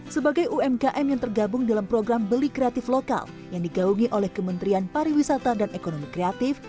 sebagai umkm yang tergabung dalam program beli kreatif lokal yang digaungi oleh kementerian pariwisata dan ekonomi kreatif